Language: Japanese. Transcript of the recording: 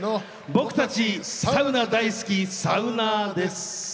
僕たちサウナ大好きサウナーです！